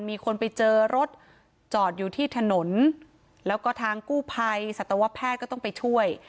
มีคนไปเจอรถจอดอยู่ที่ถนนแล้วก็ทางกู้ภัยสัตวแพทย์ก็ต้องไปช่วย